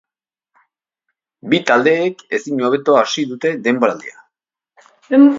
Bi taldeek ezin hobeto hasi dute denboraldia.